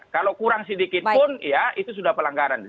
kalau kurang sedikitpun ya itu sudah pelanggaran